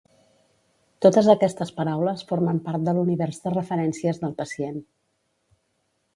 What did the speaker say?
Totes aquestes paraules formen part de l'univers de referències del pacient.